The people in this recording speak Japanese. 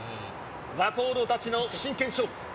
若人たちの真剣勝負。